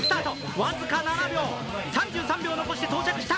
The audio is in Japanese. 僅か７秒、３３秒残して到着した。